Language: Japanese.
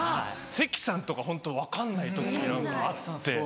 関さんとかホント分かんない時あって。